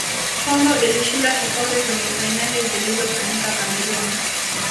congo ilishinda kikombe kwenye fainali zilizofanyika cameroon